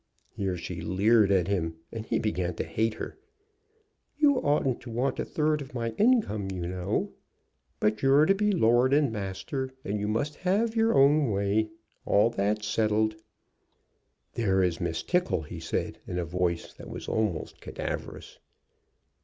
Here she leered at him, and he began to hate her. "You oughtn't to want a third of my income, you know. But you're to be lord and master, and you must have your own way. All that's settled." "There is Miss Tickle," he said, in a voice that was almost cadaverous.